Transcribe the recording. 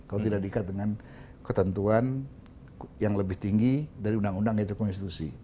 kalau tidak diikat dengan ketentuan yang lebih tinggi dari undang undang yaitu konstitusi